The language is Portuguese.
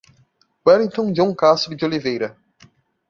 Wellington John Castro Deoliveira